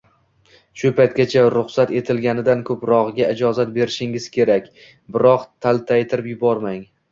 shu paytgacha ruxsat etilganidan ko‘prog‘iga ijozat berishingiz kerak, biroq taltaytirib yubormang.